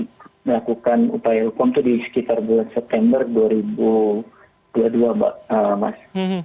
kita melakukan upaya hukum itu di sekitar bulan september dua ribu dua puluh dua mbak mas